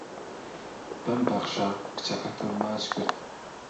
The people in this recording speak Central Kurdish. ببمبەخشە کچەکەتم ماچ کرد